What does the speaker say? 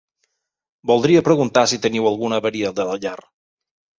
Voldria preguntar si teniu alguna avaria de la llar.